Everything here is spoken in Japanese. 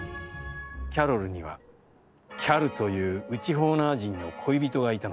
キャロルにはキャルという、内ホーナー人の恋人がいたのだ。